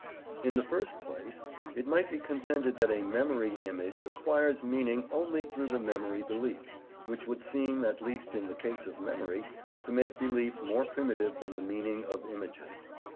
In the first place, it might be contended that a memory image acquires meaning only through the memory belief, which would seem, at least in the case of memory, to make belief more primitive than the meaning of images.